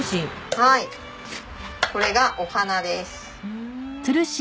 はいこれがお花です。